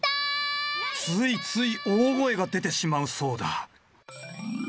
ついつい大声が出てしまうそうだ